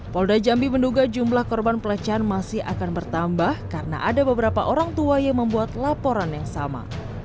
polda jambi menduga jumlah korban pelecehan masih akan bertambah karena ada beberapa orang tua yang membuat laporan yang sama